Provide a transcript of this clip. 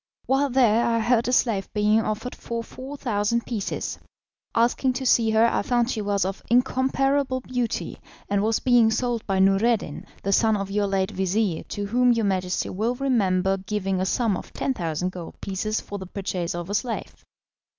While there I heard a slave being offered for 4,000 pieces. Asking to see her, I found she was of incomparable beauty, and was being sold by Noureddin, the son of your late vizir, to whom your Majesty will remember giving a sum of 10,000 gold pieces for the purchase of a slave.